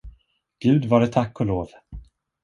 Gud vare tack och lov!